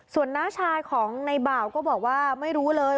ส่วนน้าชายของในบ่าวก็บอกว่าไม่รู้เลย